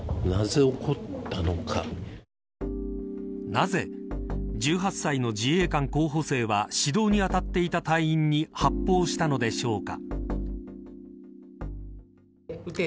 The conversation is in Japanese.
なぜ１８歳の自衛官候補生は指導に当たっていた隊員に発砲したのでしょうか。